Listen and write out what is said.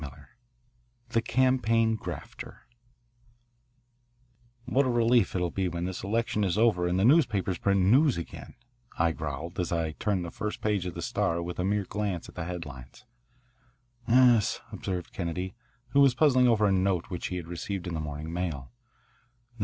XII THE CAMPAIGN GRAFTER "What a relief it will be when this election is over and the newspapers print news again," I growled as I turned the first page of the Star with a mere glance at the headlines. "Yes," observed Kennedy, who was puzzling over a note which he had received in the morning mail.